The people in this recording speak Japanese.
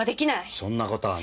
そんな事はない。